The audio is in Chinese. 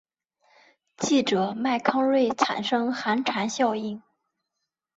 记者麦康瑞产生寒蝉效应。